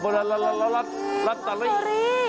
ลอตเตอรี่